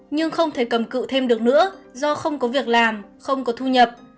nhưng không thể cầm cự thêm được nữa do không có việc làm không có thu nhập